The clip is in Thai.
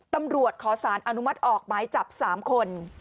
ตำรวจขอสารอนุมัติออกหมายจับ๓คน